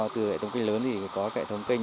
từ hệ thống kênh lớn thì có hệ thống kênh